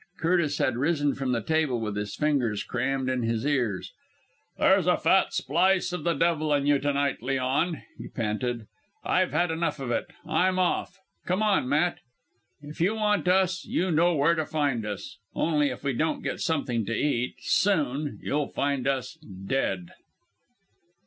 Curtis had risen from the table with his fingers crammed in his ears. "There's a fat splice of the devil in you to night, Leon!" he panted. "I've had enough of it. I'm off. Come on, Matt. If you want us, you know where to find us only if we don't get something to eat soon you'll find us dead."